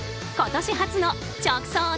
今年初の直送！